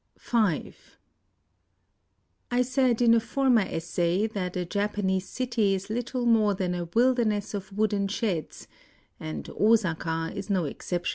V I said in a former essay that a Japa nese city is little more than a wilderness of wooden sheds, and Osaka is no exception.